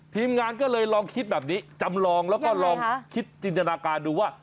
ทีมงานก็เลยลองคิดแบบนี้จำลองแล้วก็ลองคิดจินตนาการดูว่า